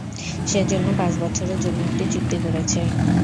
সে জন্য পাঁচ বছরের জন্য একটা চুক্তি করেছে।